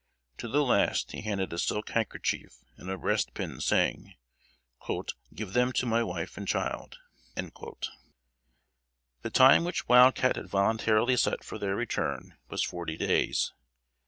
To the last he handed a silk handkerchief and a breast pin, saying, "give them to my wife and child." The time which Wild Cat had voluntarily set for their return, was forty days.